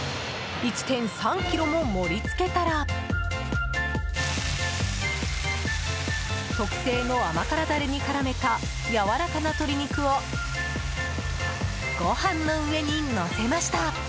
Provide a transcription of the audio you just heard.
１．３ｋｇも盛り付けたら特製の甘辛ダレに絡めたやわらかな鶏肉をご飯の上にのせました。